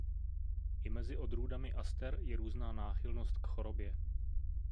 I mezi odrůdami aster je různá náchylnost k chorobě.